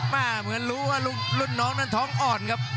เหมือนรู้ว่ารุ่นน้องนั้นท้องอ่อนครับ